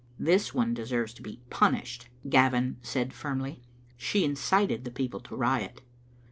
"This one deserves to be punished," Gavin said, firmly ;" she incited the people to riot.